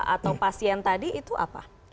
atau pasien tadi itu apa